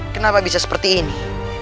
kenapa bisa seperti ini